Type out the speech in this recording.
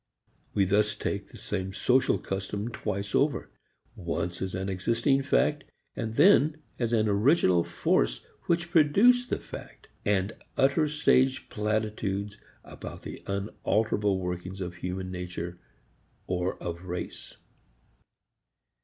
We thus take the same social custom twice over: once as an existing fact and then as an original force which produced the fact, and utter sage platitudes about the unalterable workings of human nature or of race.